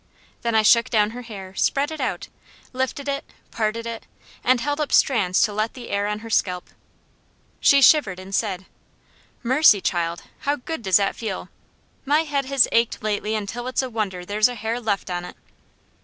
Then I shook down her hair, spread it out, lifted it, parted it, and held up strands to let the air on her scalp. She shivered and said: "Mercy child, how good that does feel! My head has ached lately until it's a wonder there's a hair left on it."